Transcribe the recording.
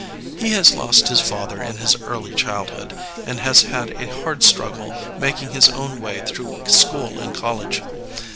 He has lost his father in his early childhood, and has had a hard struggle making his own way through school and college.